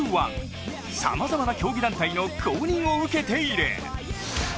さまざまな競技団体の公認を受けている。